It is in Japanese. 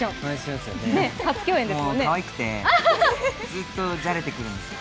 もうかわいくて、ずっとじゃれてくるんですよ。